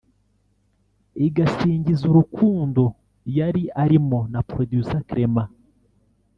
igasingiza urukundo yari arimo na Producer Clement